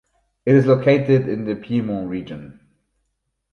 It is located in the Piedmont region.